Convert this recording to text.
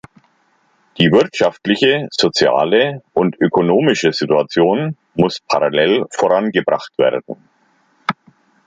Die wirtschaftliche, soziale und ökologische Situation muss parallel vorangebracht werden.